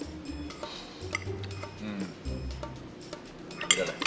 mas aku mau berhati hati